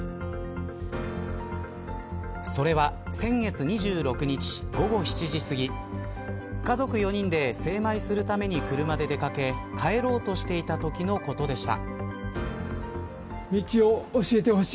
それは先月２６日午後７時すぎ家族４人で精米するために車で出掛け帰ろうとしていたときのことでした。